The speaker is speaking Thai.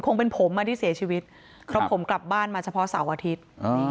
คงเป็นผมที่เสียชีวิตเพราะผมกลับบ้านมาเฉพาะเสาร์อาทิตย์